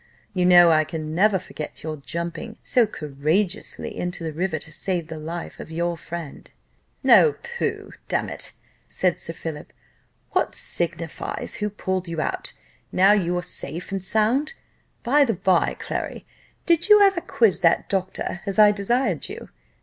You know I can never forget your jumping so courageously into the river, to save the life of your friend." "Oh, pooh! damn it," said Sir Philip, "what signifies who pulled you out, now you are safe and sound? By the bye, Clary, did you ever quiz that doctor, as I desired you?